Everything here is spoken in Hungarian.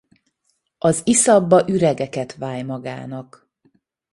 Az iszapba üregeket váj magának.